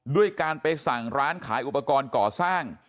ด้วยการไปสั่งร้านขายอุปกรณ์ก่อสร้าง